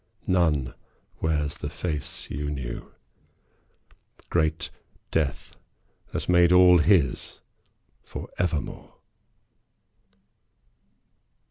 None wears the face you knew. Great death has made all his for evermore.